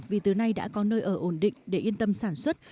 vì từ nay đã có nơi ở ổn định để yên tâm sản xuất